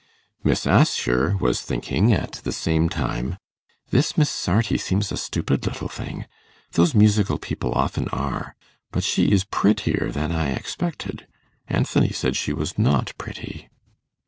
Miss Assher was thinking at the same time, 'This Miss Sarti seems a stupid little thing. Those musical people often are. But she is prettier than I expected; Anthony said she was not pretty.